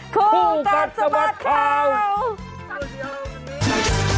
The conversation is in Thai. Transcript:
คู่กัดสะบัดข่าวสักเดียวกันมี